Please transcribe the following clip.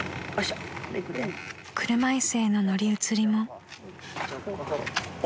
［車いすへの乗り移りも］